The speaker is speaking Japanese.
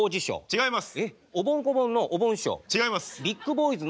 違います。